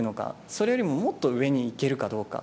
それよりももっと上にいけるかどうか。